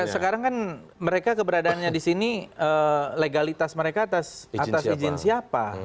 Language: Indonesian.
sekarang kan mereka keberadaannya di sini legalitas mereka atas izin siapa